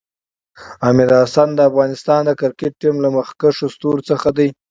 حمید حسن د افغانستان د کريکټ ټیم له مخکښو ستورو څخه ده